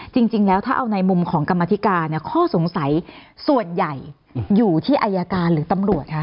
จริงแล้วถ้าเอาในมุมของกรรมธิการเนี่ยข้อสงสัยส่วนใหญ่อยู่ที่อายการหรือตำรวจคะ